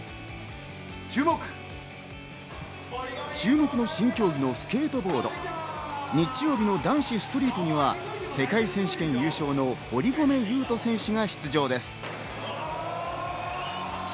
注目の新競技のスケートボード、日曜日の男子ストリートには世界選手権優勝の堀米雄斗選手が出場です。